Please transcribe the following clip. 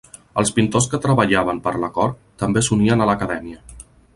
Els pintors que treballaven per la cort també s'unien a l'acadèmia.